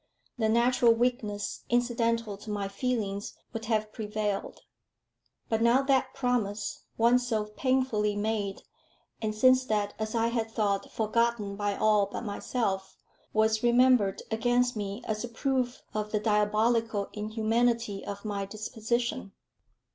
The natural weakness incidental to my feelings would have prevailed. But now that promise, once so painfully made, and since that, as I had thought, forgotten by all but myself, was remembered against me as a proof of the diabolical inhumanity of my disposition.